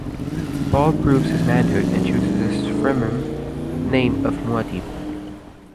Paul proves his manhood and chooses his Fremen name of Muad'Dib.